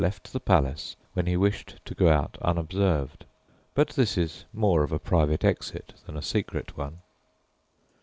left the palace when he wished to go out unobserved; but this is more of a private exit than a secret one.